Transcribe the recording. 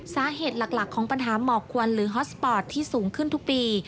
สาเหตุหลักของปัญหาหมอกควันหรือฮอสปอร์ตที่สูงขึ้นทุกปี